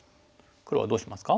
黒はどうしますか？